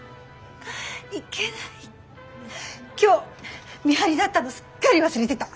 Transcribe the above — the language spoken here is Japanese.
いけない今日見張りだったのすっかり忘れてた。